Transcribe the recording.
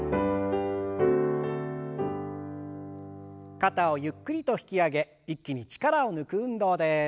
肩をゆっくりと引き上げ一気に力を抜く運動です。